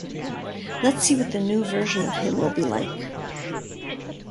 Let's see what the new version of him will be like.